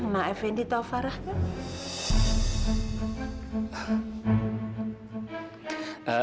nek fendi tahu farah kan